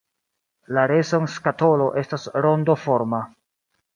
La reson-skatolo estas rondoforma.